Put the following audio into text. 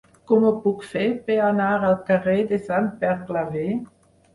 Com ho puc fer per anar al carrer de Sant Pere Claver?